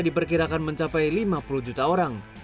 diperkirakan mencapai lima puluh juta orang